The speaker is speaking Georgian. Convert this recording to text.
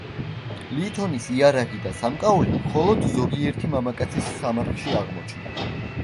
ლითონის იარაღი და სამკაული მხოლოდ ზოგიერთი მამაკაცის სამარხში აღმოჩნდა.